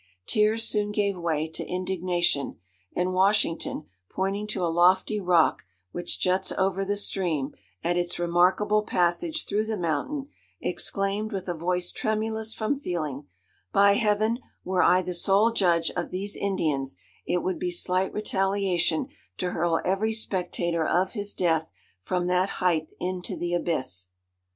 Tears soon gave way to indignation, and Washington, pointing to a lofty rock which juts over the stream, at its remarkable passage through the mountain, exclaimed, with a voice tremulous from feeling, 'By Heaven, were I the sole judge of these Indians, it would be slight retaliation to hurl every spectator of his death from that height into the abyss.